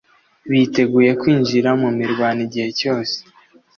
biteguye kwinjira mu mirwano igihe cyose